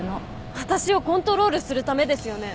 私をコントロールするためですよね？